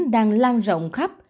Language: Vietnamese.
đang lan rộng khắp